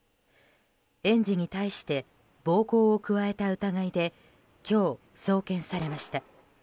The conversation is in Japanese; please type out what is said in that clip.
園児に対して暴行を加えた疑いで今日、送検されました。